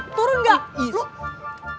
lo turun nggak